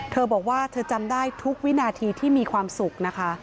เธอบอกว่าเธอจำได้ทุกวินาทีที่มีความสุขนะคะ